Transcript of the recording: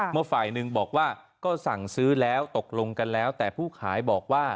เมื่อฝ่ายหนึ่งบอกว่าก็สั่งซื้อแล้วตกลงกันแล้วแต่ผู้ขายบอกว่า